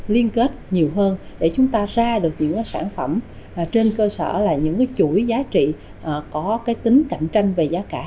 liên kết nhiều hơn để chúng ta ra được những sản phẩm trên cơ sở là những chuỗi giá trị có cái tính cạnh tranh về giá cả